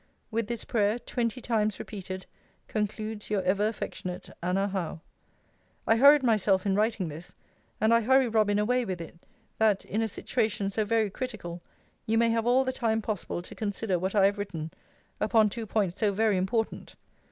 With this prayer, twenty times repeated, concludes Your ever affectionate, ANNA HOWE. I hurried myself in writing this; and I hurry Robin away with it, that, in a situation so very critical, you may have all the time possible to consider what I have written, upon two points so very important.